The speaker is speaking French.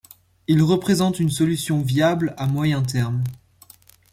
Ils représentent une solution viable à moyen terme.